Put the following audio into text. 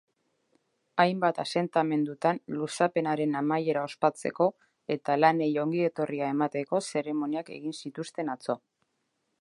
Hainbat asentamendutan luzapenaren amaiera ospatzeko eta lanei ongietorria emateko zeremoniak egin zituzten atzo.